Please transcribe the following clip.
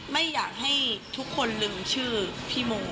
ไม่อยากให้ทุกคนลืมชื่อพี่โม